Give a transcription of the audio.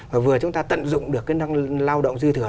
và vừa chúng ta tận dụng được cái năng lao động dư thừa